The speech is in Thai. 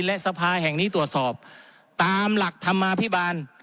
และสภาแห่งนี้ตรวจสอบตามหลักธรรมาภิบาล